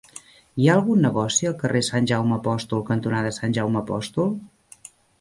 Hi ha algun negoci al carrer Sant Jaume Apòstol cantonada Sant Jaume Apòstol?